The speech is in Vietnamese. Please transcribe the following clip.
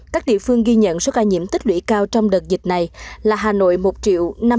các địa phương ghi nhận số ca nhiễm tích lũy cao trong đợt dịch này là hà nội một năm trăm tám mươi ba năm trăm bốn mươi một